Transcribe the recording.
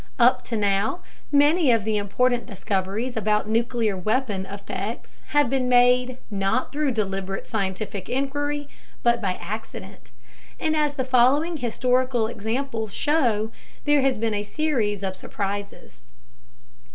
Up to now, many of the important discoveries about nuclear weapon effects have been made not through deliberate scientific inquiry but by accident. And as the following historical examples show, there has been a series of surprises.